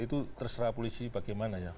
itu terserah polisi bagaimana ya